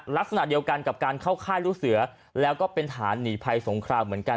ลักษณะเดียวกันกับการเข้าค่ายลูกเสือแล้วก็เป็นฐานหนีภัยสงครามเหมือนกัน